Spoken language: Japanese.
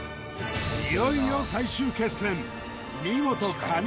いよいよ最終決戦